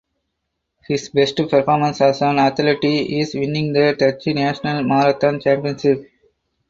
His best performance as an athlete is winning the Dutch national marathon championship.